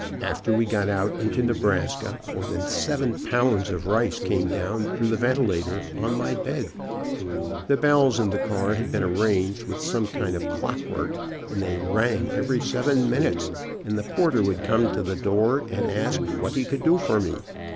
After we got out into Nebraska more than seven pounds of rice came down through the ventilator on my bed. The bells in the car had been arranged with some kind of clockwork, and they rang every seven minutes, and the porter would come to the door and ask what he could do for me.